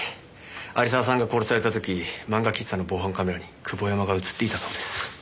有沢さんが殺された時漫画喫茶の防犯カメラに久保山が映っていたそうです。